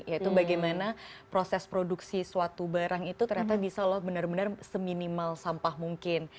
yaitu bagaimana proses produksi suatu barang itu ternyata bisa loh benar benar seminimal sampah mungkin